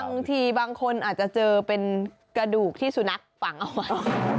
บางทีบางคนอาจจะเจอเป็นกระดูกที่สุนัขฝังเอาไว้